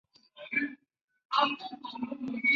后以郎中身份跟从朱文正镇守南昌。